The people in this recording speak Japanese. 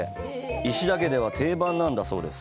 石田家では定番なんだそうです。